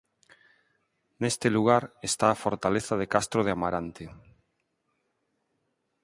Neste lugar está a Fortaleza de Castro de Amarante.